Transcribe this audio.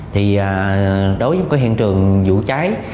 thì đối với cái hiện trường vụ trái